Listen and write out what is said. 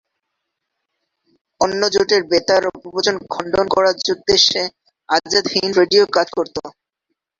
অন্য জোটের বেতার অপপ্রচার খণ্ডন করার উদ্দেশ্যে আজাদ হিন্দ রেডিও কাজ করত।